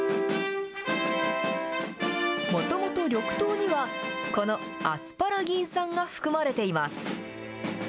もともと緑豆には、このアスパラギン酸が含まれています。